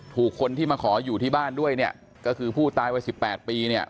คนที่มาขออยู่ที่บ้านด้วยเนี่ยก็คือผู้ตายวัยสิบแปดปีเนี่ย